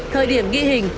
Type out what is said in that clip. thời điểm ghi hình